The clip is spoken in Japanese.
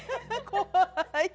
怖い。